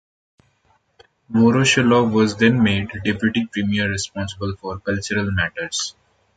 Voroshilov was then made Deputy Premier responsible for cultural matters.